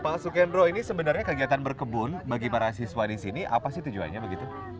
pak sukendro ini sebenarnya kegiatan berkebun bagi para siswa di sini apa sih tujuannya begitu